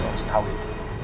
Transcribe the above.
lo harus tau itu